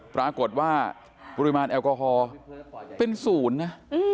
ปรากฏว่าปริมาณแอลกอคอเป็นศูนย์นะ